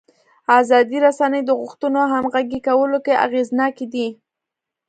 ازادې رسنۍ د غوښتنو همغږي کولو کې اغېزناکې دي.